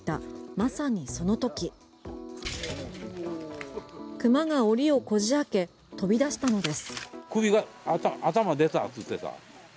まさにその時熊が檻をこじ開け飛び出したのです。